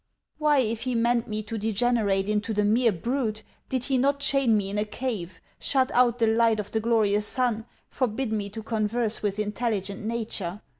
Why, if he meant me to degenerate into the mere brute, did he not chain me in a cave, shut out the light of the glorious sun, forbid me to converse with intelligent nature?